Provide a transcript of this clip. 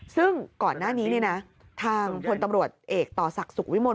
ซึ่งก่อนหน้านี้ทางพลตำรวจเอกต่อศักดิ์สุขวิมล